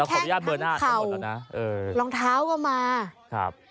แล้วขออนุญาตเบอร์นาตค่ะหมดน่ะเอ่อรองเท้าก็มาครับ